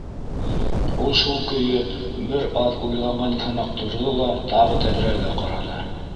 Ул шул көйө бер аҙ уйланған һымаҡ торҙо ла тағы тәҙрәгә ҡараны.